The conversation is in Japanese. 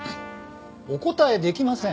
お答え出来ません。